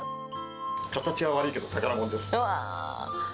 形は悪いけど、宝物です。